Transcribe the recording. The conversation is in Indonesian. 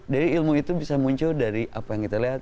jadi ilmu itu bisa muncul dari apa yang kita lihat